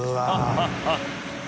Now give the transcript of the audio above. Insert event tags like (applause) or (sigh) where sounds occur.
ハハハ (laughs)